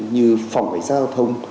như phòng cảnh sát giao thông